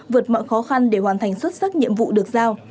vượt mọi khó khăn để hoàn thành xuất sắc nhiệm vụ được giao